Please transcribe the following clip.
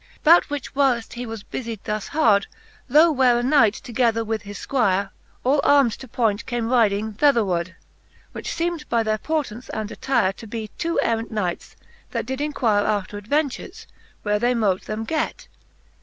XL Bout which whileft he was bufied thus hard, Lo where a knight together with his fquire. All arm'd to point, came ryding thetherward. Which feemed by their portance and attire To be two errant knights, that did inquire After adventures, where they mote them get.